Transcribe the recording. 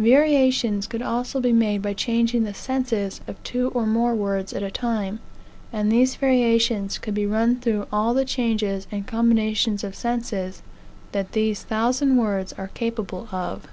Variations could also be made by changing the senses of two or more words at a time, and these variations could be run through all the changes and combinations of senses that these thousand words are capable of.